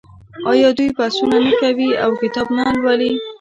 آیا دوی بحثونه نه کوي او کتاب نه لوالي؟